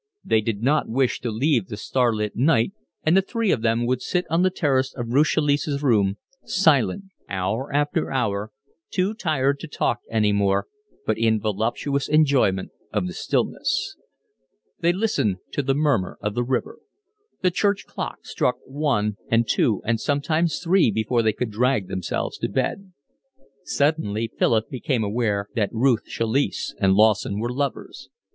They did not wish to leave the starlit night, and the three of them would sit on the terrace of Ruth Chalice's room, silent, hour after hour, too tired to talk any more, but in voluptuous enjoyment of the stillness. They listened to the murmur of the river. The church clock struck one and two and sometimes three before they could drag themselves to bed. Suddenly Philip became aware that Ruth Chalice and Lawson were lovers.